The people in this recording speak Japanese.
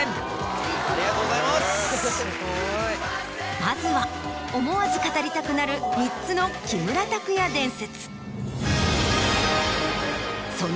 まずは思わず語りたくなる３つの木村拓哉伝説。